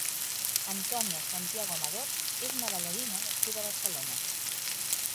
Antonia Santiago Amador és una ballarina nascuda a Barcelona.